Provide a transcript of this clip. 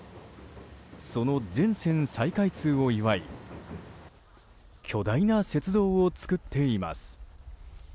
その全線再開通を祝い巨大な雪像を作っています。